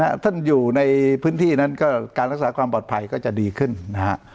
ถ้าท่านอยู่ในพื้นที่นั้นก็การรักษาความปลอดภัยก็จะดีขึ้นนะฮะ